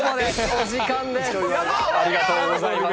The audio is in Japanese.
お時間です。